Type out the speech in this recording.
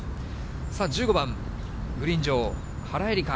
さあ、１５番グリーン上、原英莉花。